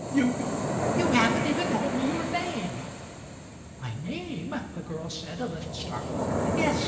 "You — you haven't even told me your name!" "My name?" the girl said, a little startled. "Yes!